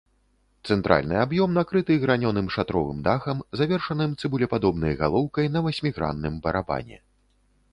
Цэнтральны аб'ём накрыты гранёным шатровым дахам, завершаным цыбулепадобнай галоўкай на васьмігранным барабане.